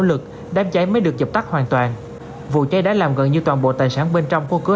lực đám cháy mới được dập tắt hoàn toàn vụ cháy đã làm gần như toàn bộ tài sản bên trong của cửa